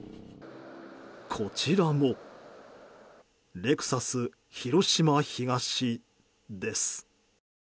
こちらもレクサス広島東です。